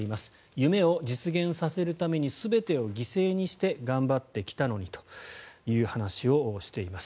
夢を実現させるために全てを犠牲にして頑張ってきたのにという話をしています。